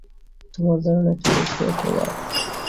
তোমার ধারণা এটা মেশিনের প্রভাব?